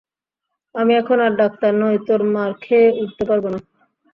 আমি এখন আর ডাক্তার নই তোর মার খেয়ে উঠতে পারবো না!